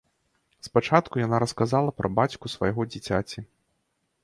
Спачатку яна расказала пра бацьку свайго дзіцяці.